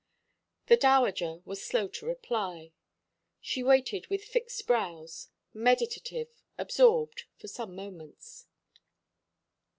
The Dowager was slow to reply. She waited with fixed brows, meditative, absorbed, for some moments.